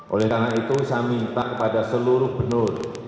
oleh karena itu saya minta kepada seluruh benur